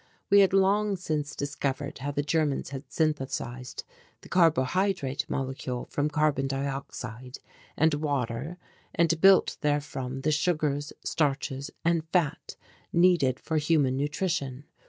We had long since discovered how the Germans had synthesized the carbohydrate molecule from carbon dioxide and water and built therefrom the sugars, starches and fat needed for human nutrition.